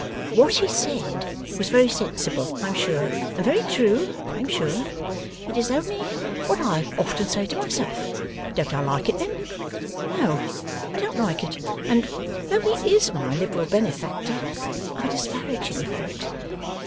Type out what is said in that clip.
'What he said was very sensible, I am sure, and very true, I am sure. It is only what I often say to myself. Don't I like it then? No, I don't like it, and, though he is my liberal benefactor, I disparage him for it.